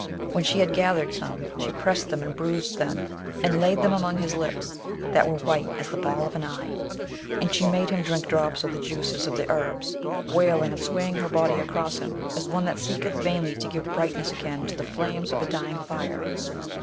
When she had gathered some, she pressed them and bruised them, and laid them along his lips, that were white as the ball of an eye; and she made him drink drops of the juices of the herbs, wailing and swaying her body across him, as one that seeketh vainly to give brightness again to the flames of a dying fire.